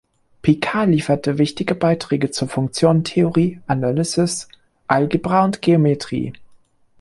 Picard lieferte wichtige Beiträge zur Funktionentheorie, Analysis, Algebra und Geometrie.